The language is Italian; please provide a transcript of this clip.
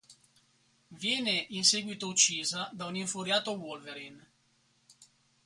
Viene in seguito uccisa da un infuriato Wolverine.